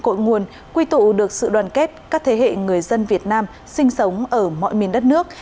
của nhân viên quy tụ được sự đoàn kết các thế hệ người dân việt nam sinh sống ở mọi miền đất nước